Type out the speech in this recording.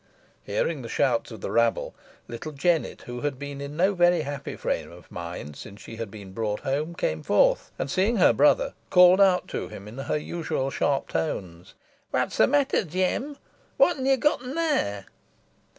Hearing the shouts of the rabble, little Jennet, who had been in no very happy frame of mind since she had been brought home, came forth, and seeing her brother, called out to him, in her usual sharp tones, "What's the matter, Jem? Who han ye gotten there?"